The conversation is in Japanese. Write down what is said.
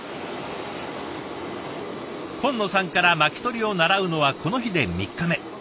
金野さんから巻き取りを習うのはこの日で３日目。